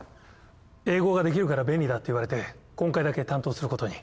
英語ができるから便利だって言われて今回だけ担当することに。